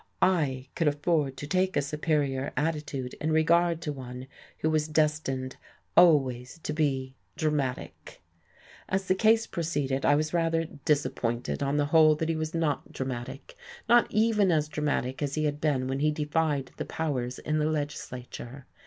I could afford to take a superior attitude in regard to one who was destined always to be dramatic. As the case proceeded I was rather disappointed on the whole that he was not dramatic not even as dramatic as he had been when he defied the powers in the Legislature.